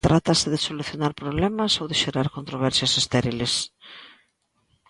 ¿Trátase de solucionar problemas ou de xerar controversias estériles?